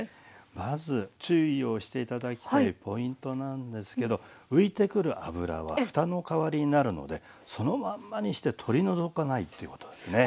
まず注意をして頂きたいポイントなんですけど浮いてくる脂はふたの代わりになるのでそのまんまにして取り除かないっていうことですね。